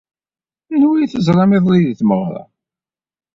Anwa ay teẓram iḍelli deg tmeɣra?